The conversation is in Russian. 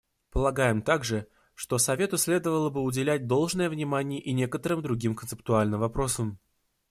Полагаем также, что Совету следовало бы уделять должное внимание и некоторым другим концептуальным вопросам.